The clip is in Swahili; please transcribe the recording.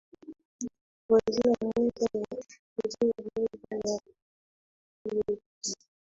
kwa njia moja ni njia moja ya kuweza kuwe kuwe